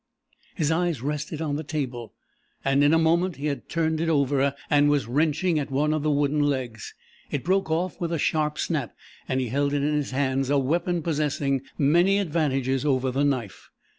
His eyes rested on the table, and in a moment he had turned it over and was wrenching at one of the wooden legs. It broke off with a sharp snap, and he held in his hand a weapon possessing many advantages over the knife.